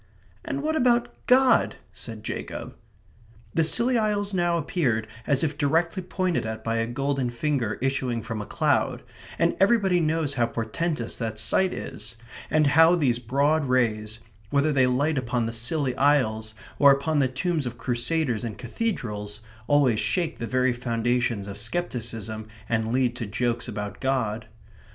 "And what about God?" said Jacob. The Scilly Isles now appeared as if directly pointed at by a golden finger issuing from a cloud; and everybody knows how portentous that sight is, and how these broad rays, whether they light upon the Scilly Isles or upon the tombs of crusaders in cathedrals, always shake the very foundations of scepticism and lead to jokes about God.